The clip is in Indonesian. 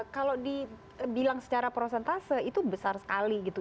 kalau dibilang secara prosentase itu besar sekali gitu